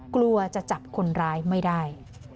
กลัวจะจับคนร้ายไม่ได้